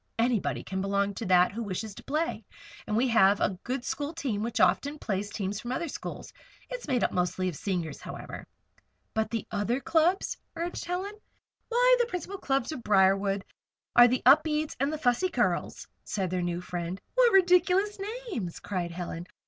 Anybody can belong to that who wishes to play. And we have a good school team which often plays teams from other schools. It's made up mostly of Seniors, however." "But the other clubs?" urged Helen. "Why, the principal clubs of Briarwood are the Upedes and the Fussy Curls," said their new friend. "What ridiculous names!" cried Helen.